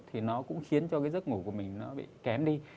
thì nó cũng khiến cho cái giấc ngủ của mình nó bị kém đi